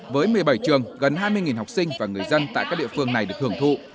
với một mươi bảy trường gần hai mươi học sinh và người dân tại các địa phương này được hưởng thụ